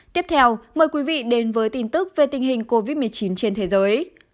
tiếp theo mời quý vị đến với tin tức về tình hình covid một mươi chín trên thế giới